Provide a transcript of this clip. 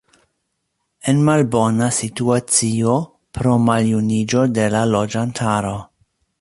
En malbona situacio pro maljuniĝo de la loĝantaro.